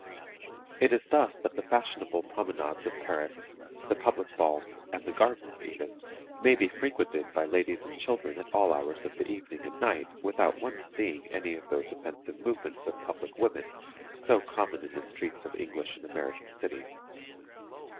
"It is thus that the fashionable promenades of Paris, the public balls, and the gardens even, may be frequented by ladies and children at all hours of the evening and night without once seeing any of those offensive movements of public women so common in the streets of English and American cities.